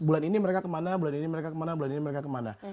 bulan ini mereka kemana bulan ini mereka kemana bulan ini mereka kemana